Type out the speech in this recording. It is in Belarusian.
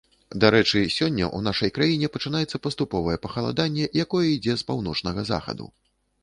Дарэчы, сёння ў нашай краіне пачынаецца паступовае пахаладанне, якое ідзе з паўночнага захаду.